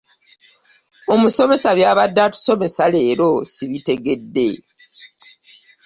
Omusomesa byabadde atusomesa leero sibitegedde.